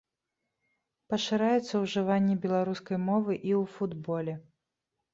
Пашыраецца ўжыванне беларускай мовы і ў футболе.